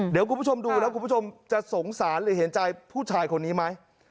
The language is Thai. เดี๋ยวคุณผู้ชมดูแล้วคุณผู้ชมจะสงสารหรือเห็นใจผู้ชายคนนี้ไหม